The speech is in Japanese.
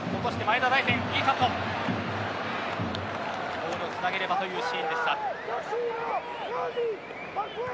ボールをつなげればというシーンでした。